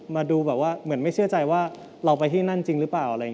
มาดูเหมือนไม่เชื่อใจว่าเราไปที่นั่นจริงหรือเปล่า